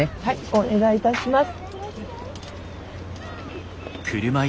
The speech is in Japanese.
お願いいたします。